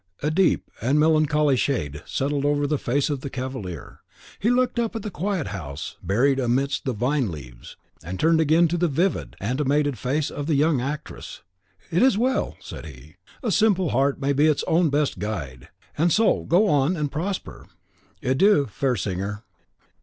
A deep and melancholy shade settled over the face of the cavalier. He looked up at the quiet house buried amidst the vine leaves, and turned again to the vivid, animated face of the young actress. "It is well," said he. "A simple heart may be its own best guide, and so, go on, and prosper. Adieu, fair singer."